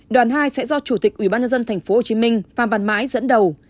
đoàn hai sẽ do chủ tịch ubnd tp hcm phan văn mãi dẫn đầu